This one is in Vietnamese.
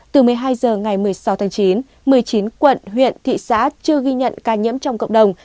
từ một mươi hai h ngày một mươi sáu tháng chín một mươi chín quận huyện thị xã chưa ghi nhận ca nhiễm trong cộng đồng